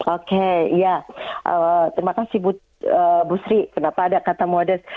oke ya terima kasih bu sri kenapa ada kata modest